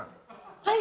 はい。